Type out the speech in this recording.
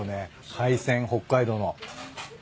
海鮮北海道の。